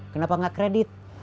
kenapa gak kredit